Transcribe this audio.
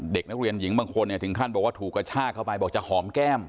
เด็กนักเรียนหญิงบางคนเนี่ยถึงขั้นบอกว่าถูกกระชากเข้าไปบอกจะหอมแก้ม